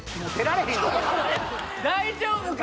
大丈夫か？